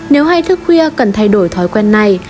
nếu hay thức khuya cần thay đổi thói quen này